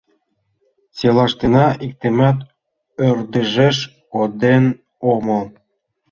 — Селаштына иктымат ӧрдыжеш коден омыл.